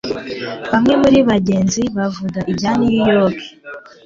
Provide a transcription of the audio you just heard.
Bamwe muri bagenzi bavuga ibya New York